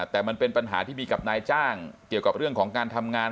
แต่มันเป็นปัญหาที่มีกับนายจ้างเกี่ยวกับเรื่องของการทำงาน